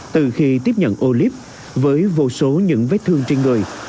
từ khi tiếp nhận olip với vô số những vết thương trên người